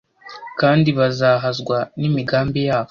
Kandi bazahazwa n’imigambi yabo